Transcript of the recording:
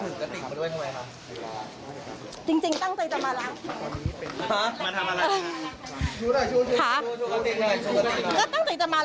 แล้ววันนี้คุณจะถือกกระติกมาด้วยทำไมค่ะจริงตั้งใจจะมาล้าง